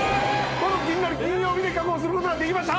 この「キニナル金曜日」で確保することができました！